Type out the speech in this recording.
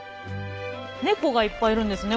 ネコがいっぱいいるんですね